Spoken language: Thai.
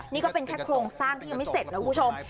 นี่ก็เป็นแค่โครงสร้างที่ยังไม่เสร็จนะคุณผู้ชม